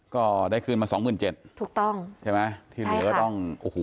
ก็ได้คืนมา๒๗๐๐๐บาทใช่ไหมที่เหลือต้องโอ้โหใช่ค่ะ